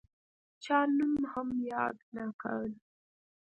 چا نوم هم یاد نه کړ.